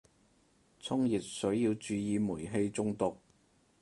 沖熱水要注意煤氣中毒